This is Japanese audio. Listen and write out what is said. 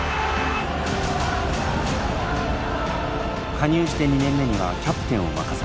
加入して２年目にはキャプテンを任された。